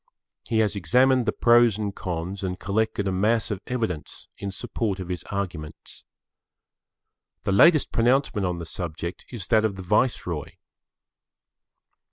He has examined the pros and cons and collected a mass of evidence in support of his arguments. The latest pronouncement on the subject is that of the Viceroy.